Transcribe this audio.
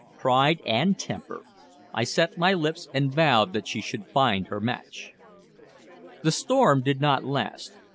Pride and temper! I set my lips, and vowed that she should find her match. The storm did not last.